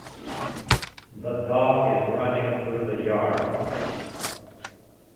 The dog is running through the yard